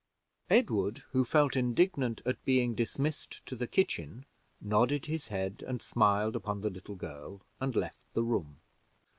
Edward, who felt indignant at being dismissed to the kitchen, nodded his head and smiled upon the little girl, and left the room.